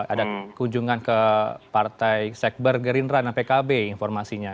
ada kunjungan ke partai sekber gerindra dan pkb informasinya